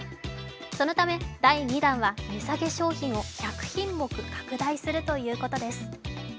そのため第２弾は値下げ商品を１００品目拡大するということです。